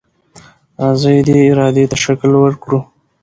راځئ دې ارادې ته شکل ورکړو.